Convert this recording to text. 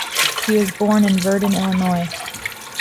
He was born in Virden, Illinois.